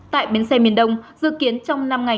tại bến xe miền đông dự kiến trong năm ngày